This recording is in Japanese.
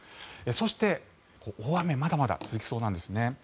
そして、大雨はまだまだ続きそうなんですね。